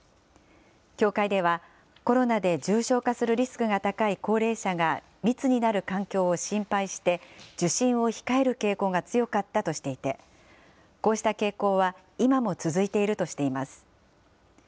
協会ではコロナで重症化するリスクが高い高齢者が密になる環境を心配して受診を控える傾向が強かったとしていてこうした傾向は今も続いているとしています。